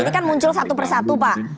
ini kan muncul satu persatu pak